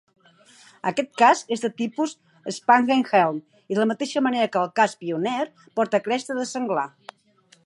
Aquest casc és de tipus Spangenhelm i, de la mateixa manera que el casc Pioneer, porta cresta de senglar.